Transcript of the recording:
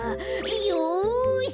よし！